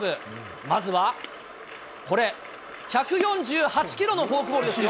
まずはこれ、１４８キロのフォークボールですよ。